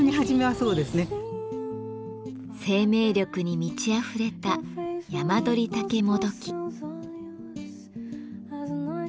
生命力に満ちあふれたヤマドリタケモドキ。